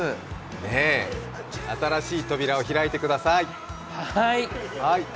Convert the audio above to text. ねえ、新しい扉を開いてください。